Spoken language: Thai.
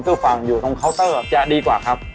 ซู่ฟังอยู่ตรงเคาเจอร์จะดีกว่าครับ